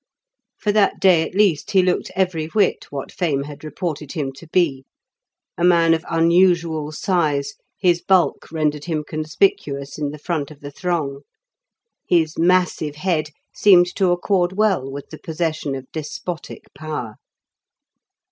For that day at least he looked every whit what fame had reported him to be. A man of unusual size, his bulk rendered him conspicuous in the front of the throng. His massive head seemed to accord well with the possession of despotic power.